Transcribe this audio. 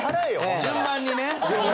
順番にね。